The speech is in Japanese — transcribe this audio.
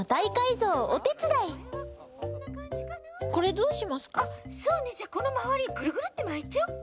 そうねじゃあこのまわりグルグルッてまいちゃおっか。